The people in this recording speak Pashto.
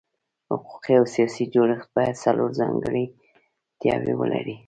حقوقي او سیاسي جوړښت باید څلور ځانګړتیاوې ولري.